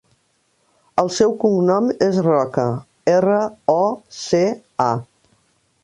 El seu cognom és Roca: erra, o, ce, a.